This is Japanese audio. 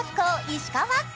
石川。